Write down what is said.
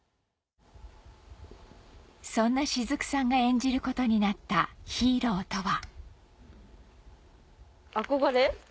そんな雫さんが演じることになったヒーローとは憧れ？